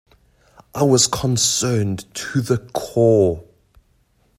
I was concerned to the core.